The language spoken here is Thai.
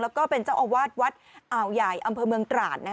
แล้วก็เป็นเจ้าอาวาสวัดอ่าวใหญ่อำเภอเมืองตราด